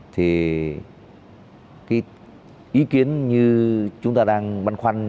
thì cái ý kiến như chúng ta đang băn khoăn